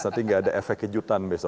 nanti nggak ada efek kejutan besok